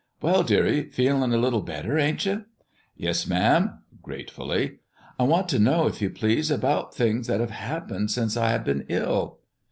"Well, dearie, feelin' a little better, ain't you?" "Yes, ma'am," gratefully. "I want to know, if you please, about things that have happened since I have been ill."